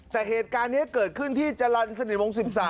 แต่เหตุการณ์นี้เกิดขึ้นที่จรรย์สนิทวง๑๓